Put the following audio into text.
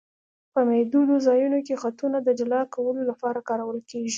په محدودو ځایونو کې خطونه د جلا کولو لپاره کارول کیږي